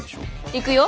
行くよ。